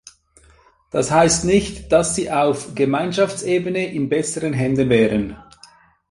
Das heißt nicht, dass sie auf Gemeinschaftsebene in besseren Händen wären.